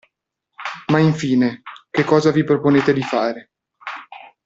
Ma infine, che cosa vi proponete di fare?